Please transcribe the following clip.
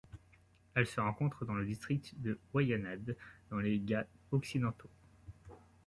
Elle se rencontre dans le district de Wayanad dans les Ghâts occidentaux.